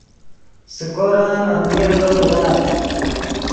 سیکورن املیرغے درآت